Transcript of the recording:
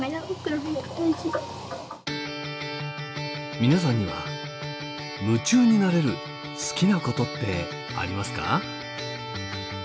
皆さんには夢中になれる好きなことってありますか？